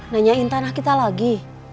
nanyain tanah kita lagi